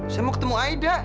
saya mau ketemu aida